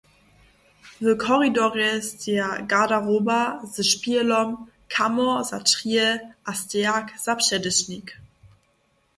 W koridorje steja garderoba ze špihelom, kamor za črije a stejak za předešćnik.